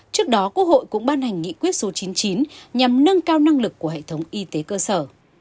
trước đó quốc hội cũng ban hành nghị quyết số chín mươi chín nhằm nâng cao năng lực của hệ thống y tế cơ sở